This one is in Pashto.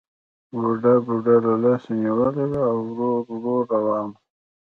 بوډا بوډۍ له لاسه نیولې وه او ورو ورو روان وو